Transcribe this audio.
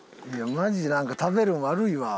マジでなんか食べるん悪いわ。